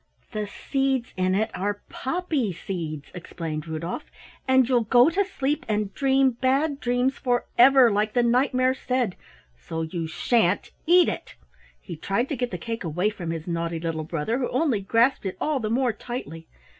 "The seeds in it are poppy seeds," explained Rudolf, "and you'll go to sleep and dream Bad Dreams forever, like the Knight mare said, so you sha'n't eat it!" He tried to get the cake away from his naughty little brother who only grasped it the more tightly.